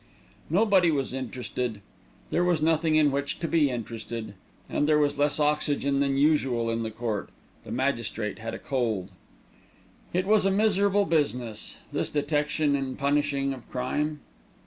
Nobody was interested there was nothing in which to be interested and there was less oxygen than usual in the court, the magistrate had a cold. It was a miserable business, this detection and punishing of crime.